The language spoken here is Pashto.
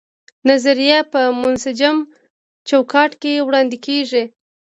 نظریه په منسجم چوکاټ کې وړاندې کیږي.